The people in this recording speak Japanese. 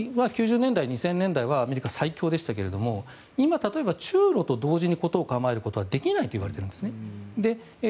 まさに９０年代、２０００年代はアメリカが最強でしたが今、中ロと同時に事を構えることはできないと言われているんです。